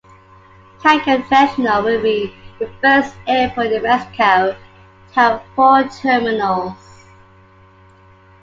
Cancun International will be the first airport in Mexico to have four terminals.